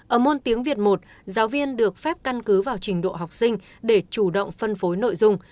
ở môn tiếng việt một giáo viên được phép căn cứ vào trình độ học sinh để chủ động phân phối nội dung